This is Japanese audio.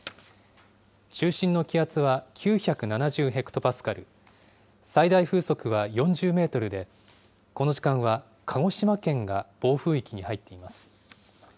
中心の気圧は９７０ヘクトパスカル、最大風速は４０メートルで、この時間は鹿児島県が暴風域に入っています。